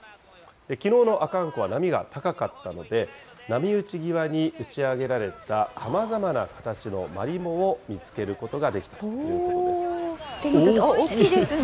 きのうの阿寒湖は波が高かったので、波打ち際に打ち上げられたさまざまな形のマリモを見つけるこ大きいですね。